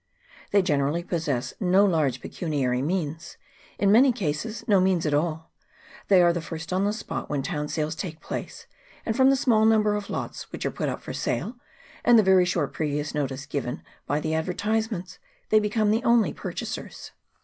They generally possess no large pecuniary means in many cases no means at all ; they are the first on the spot where town sales take place, and from the small number of lots which are put up for sale, and the very short previous notice given by the advertisements, they become the only purchasers.